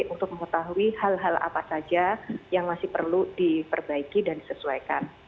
untuk mengetahui hal hal apa saja yang masih perlu diperbaiki dan disesuaikan